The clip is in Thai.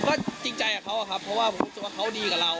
ก็จริงใจกับเขาอะครับเพราะว่าผมรู้สึกว่าเขาดีกับเรา